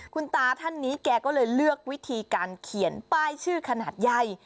คุณตาท่านนี้แกก็เลยเลือกวิธีการเขียนป้ายชื่อขนาดใหญ่